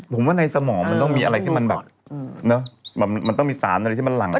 ผมว่าในสมองมันต้องมีอะไรที่มันแบบเนอะมันต้องมีสารอะไรที่มันหลั่งแล้ว